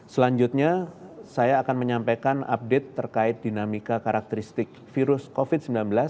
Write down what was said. selanjutnya saya akan menyampaikan update terkait dinamika karakteristik virus covid sembilan belas